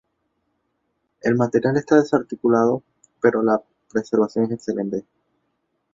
El material está desarticulado pero la preservación es excelente.